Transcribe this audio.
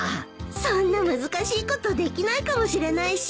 そんな難しいことできないかもしれないし。